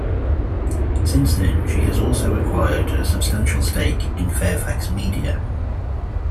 Since then she has also acquired a substantial stake in Fairfax Media.